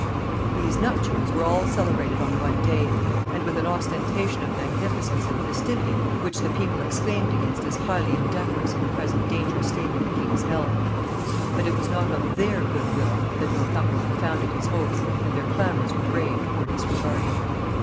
These nuptials were all celebrated on one day, and with an ostentation of magnificence and festivity which the people exclaimed against as highly indecorous in the present dangerous state of the king's health. But it was not on their good will that Northumberland founded his hopes, and their clamors were braved or disregarded.